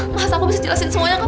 mas aku bisa jelasin semuanya